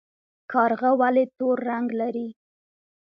کارغه ولې تور رنګ لري؟